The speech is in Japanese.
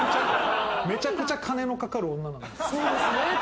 めちゃくちゃ金のかかる女なんです。